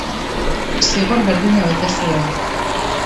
Zigor erdina bete zuen.